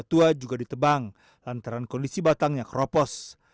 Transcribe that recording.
tua juga ditebang lantaran kondisi batangnya keropos